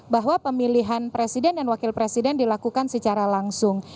bahwa pemilihan presiden dan wakil presiden dilakukan secara langsung